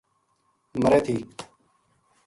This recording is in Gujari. مرے تھی